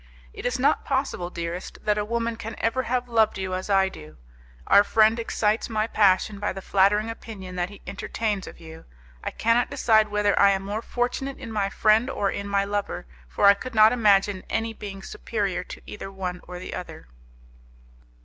It is not possible, dearest, that a woman can ever have loved you as I do. Our friend excites my passion by the flattering opinion that he entertains of you. I cannot decide whether I am more fortunate in my friend or in my lover, for I could not imagine any being superior to either one or the other."